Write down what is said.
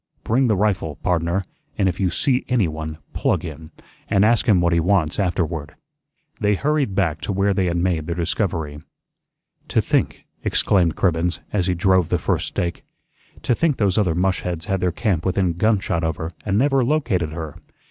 Bring the rifle, pardner, an' if you see anyone, PLUG him, an' ask him what he wants afterward." They hurried back to where they had made their discovery. "To think," exclaimed Cribbens, as he drove the first stake, "to think those other mushheads had their camp within gunshot of her and never located her.